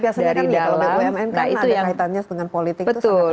tapi biasanya kan kalau bumn kan ada kaitannya dengan politik itu sangat terat